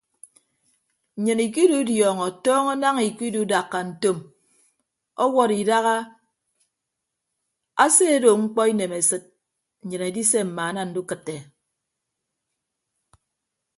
Nnyịn ikidudiọñọ tọñọ naña ikidudakka ntom ọwọd idaha ase ado mkpọ inemesịd nnyịn edise mmaana ndukịtte.